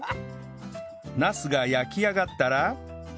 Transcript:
ナスが焼き上がったら